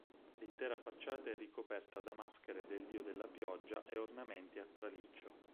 L'intera facciata è ricoperta da maschere del dio della pioggia e ornamenti a traliccio.